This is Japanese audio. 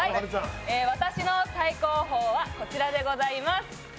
私の最高峰はこちらでございます。